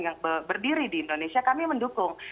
yang berdiri di indonesia kami mendukung